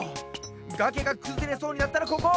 がけがくずれそうになったらここ！